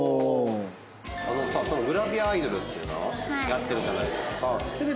あのさそのグラビアアイドルっていうのやってるじゃないですか。